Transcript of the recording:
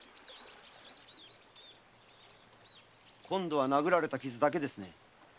今度は殴られた傷だけですね。